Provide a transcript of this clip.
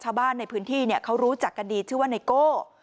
ชาวบ้านในพื้นที่เขารู้จักกันดีชื่อว่าไนโก้